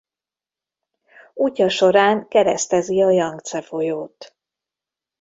Útja során keresztezi a Jangce folyót.